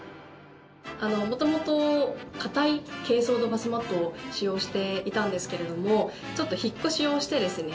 元々硬い珪藻土バスマットを使用していたんですけれどもちょっと引っ越しをしてですね